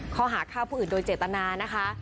เขาหาข้าวผู้อื่นโดยเจตนานะคะ